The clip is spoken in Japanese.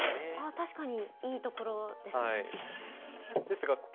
ああ確かにいいところですね。